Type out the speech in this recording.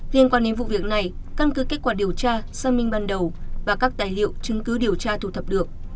liên quan đến vụ việc này căn cứ kết quả điều tra xác minh ban đầu và các tài liệu chứng cứ điều tra thu thập được